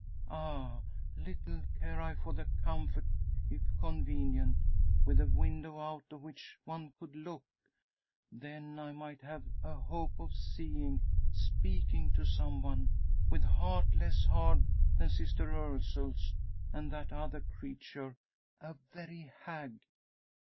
Ah! little care I for the comfort, if convenient, with a window out of which one could look. Then I might have a hope of seeing speaking to some one with heart less hard than Sister Ursule's, and that other creature a very hag!"